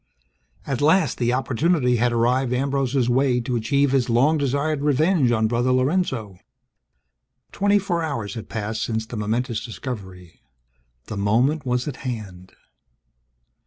At last, the opportunity had arrived Ambrose's way to achieve his long desired revenge on Brother Lorenzo! Twenty four hours had passed since the momentous discovery. The moment was at hand.